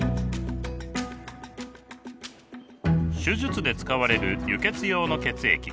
手術で使われる輸血用の血液。